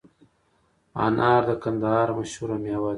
انار د کندهار مشهوره مېوه ده